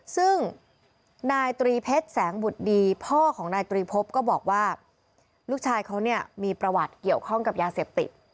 ซึ่งนายตรีเพชรแสงบุตรดีพ่อของนายตรีพบก็บอกว่าลูกชายเขาเนี่ยมีประวัติเกี่ยวข้องกับยาเสพติด